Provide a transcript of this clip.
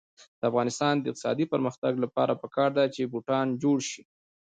د افغانستان د اقتصادي پرمختګ لپاره پکار ده چې بوټان جوړ شي.